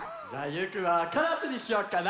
ゆうくんはカラスにしようかな。